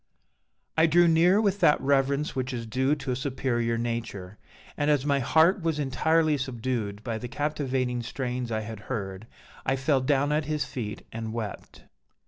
"I drew near with that reverence which is due to a superior nature; and as my heart was entirely subdued by the captivating strains I had heard, I fell down at his feet and wept.